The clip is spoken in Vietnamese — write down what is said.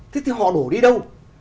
thế thì họ đổ đi đâu